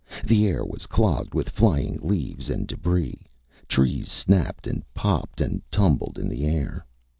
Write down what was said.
The air was clogged with flying leaves and debris. Trees snapped and popped and tumbled in the air.